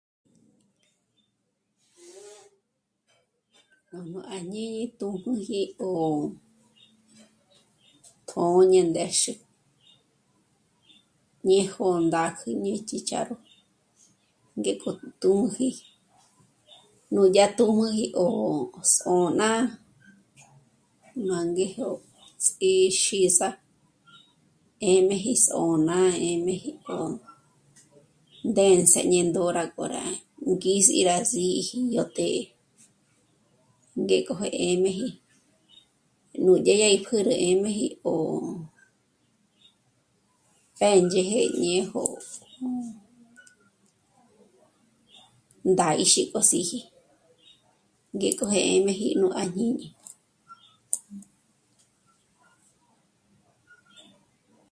Nújnù à jñini tū́jmuji ó... tjṓ'ō ñe ndéxü, ñéjo ndákjü jñí'i chícharo ngéko tǔnji, nùdyá tǔmüji ó zô'na, má ngéjyó ts'íxíza 'ë̌jmeji só'o ná 'ë̌jmeji ró ndéndze ñé ndóra k'a yó ngís'i rá síji yó té. Ngéko je 'ë̌'meji nú dyé 'é'e rá ípjüm'u 'ë̌jmeji ó... ó... pêndzheje ñé'ejo ndà'íxi k'o s'íji, ngéko jé 'ë̌jmeji nú à jñíñi